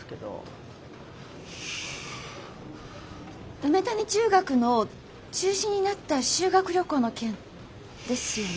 梅谷中学の中止になった修学旅行の件？ですよね？